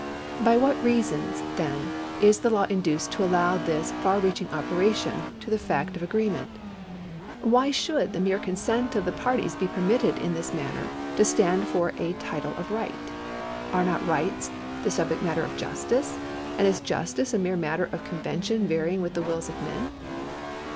By what reasons, then, is the law induced to allow this far reaching operation to the fact of agreement ? Why should the mere consent of the parties be permitted in this manner to stand for a title of right ? Are not rights the subject matter of justice, and is justice a mere matter of convention varying with the wills of men